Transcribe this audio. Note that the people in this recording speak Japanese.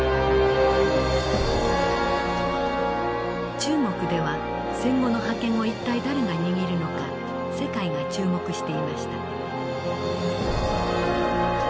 中国では戦後の覇権を一体誰が握るのか世界が注目していました。